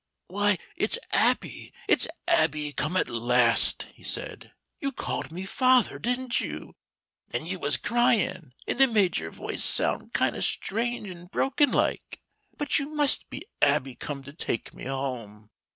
"Why, it's Abby, it's Abby, come at last!" he said. "You called me father, didn't you and you was crying, and it made your voice sound kind o' strange and broken like. But you must be Abby come to take me home.